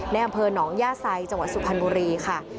อำเภอหนองย่าไซจังหวัดสุพรรณบุรีค่ะ